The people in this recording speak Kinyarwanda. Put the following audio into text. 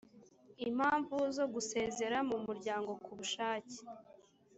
impamvu zo gusezera mu muryango ku bushake